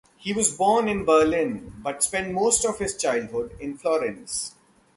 He was born in Berlin, but spent most of his childhood in Florence.